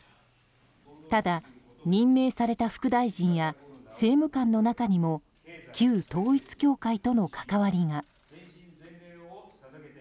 ただ、任命された副大臣や政務官の中にも旧統一教会との関わりが。